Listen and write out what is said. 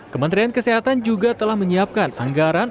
kementerian kesehatan juga telah menyiapkan anggaran